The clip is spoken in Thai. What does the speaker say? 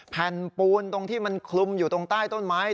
แผ่นปูนตรงที่มันคลุมอยู่ตรงใต้ต้นไม้